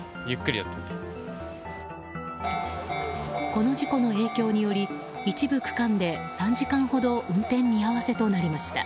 この事故の影響により一部区間で３時間ほど運転見合わせとなりました。